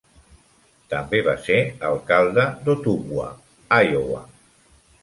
També va ser alcalde d'Ottumwa, Iowa.